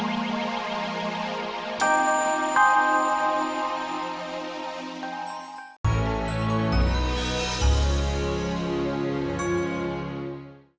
kerjaan apa juga gue jawabannya